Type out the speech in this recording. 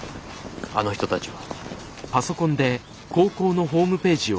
あの人たちは。